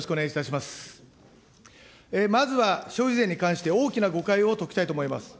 まずは消費税に関して、大きな誤解を解きたいと思います。